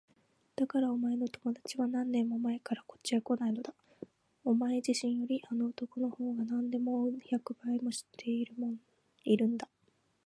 だからお前の友だちは何年も前からこっちへこないのだ。お前自身よりあの男のほうがなんでも百倍もよく知っているんだ。